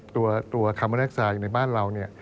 ตัวคาร์โมเล็กซายในบ้านเรา